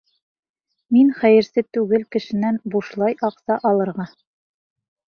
Мин хәйерсе түгел кешенән бушлай аҡса алырға.